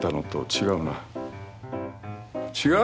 違う？